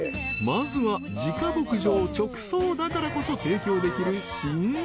［まずは自家牧場直送だからこそ提供できる新鮮な］